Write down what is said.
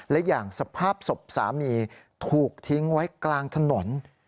และอย่างสภาพศพสามีถูกทิ้งไว้กลางถนน